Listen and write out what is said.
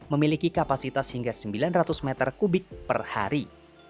memiliki kapasitas hingga sembilan ratus meter kubik per hari